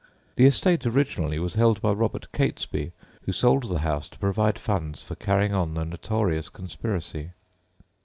The estate originally was held by Robert Catesby, who sold the house to provide funds for carrying on the notorious conspiracy.